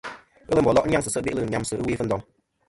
Ghelɨ mbòlo' nyaŋsɨ se' be'lɨ nyamsɨ ɨwe Fundong.